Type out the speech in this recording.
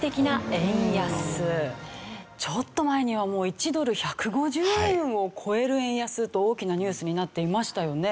ちょっと前にはもう１ドル１５０円を超える円安と大きなニュースになっていましたよね。